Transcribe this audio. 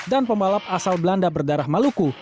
dan pembalap asal belanda berdarah maluku